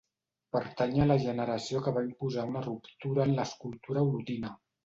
Pertany a la generació que va imposar una ruptura en l'escultura olotina.